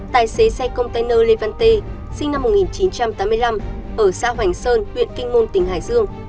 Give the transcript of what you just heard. tài xế xe container levante sinh năm một nghìn chín trăm tám mươi năm ở xã hoành sơn huyện kinh ngôn tỉnh hải dương